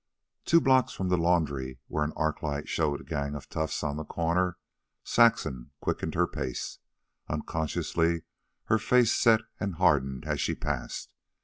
Two blocks from the laundry, where an arc light showed a gang of toughs on the corner, Saxon quickened her pace. Unconsciously her face set and hardened as she passed.